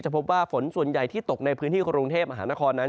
พบว่าฝนส่วนใหญ่ที่ตกในพื้นที่กรุงเทพมหานครนั้น